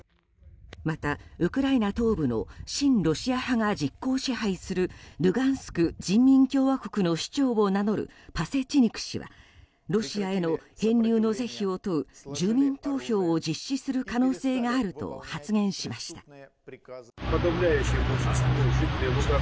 またウクライナ東部の親ロシア派が実効支配するルガンスク人民共和国の首長を名乗るパセチニク氏はロシアへの編入の是非を問う住民投票を実施する可能性があると発言しました。